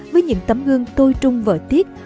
với những tấm hương tôi trung vợ tiết